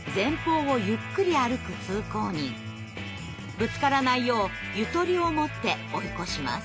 ぶつからないようゆとりを持って追い越します。